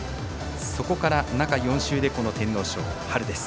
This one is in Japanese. そこから、中４週でこの天皇賞です。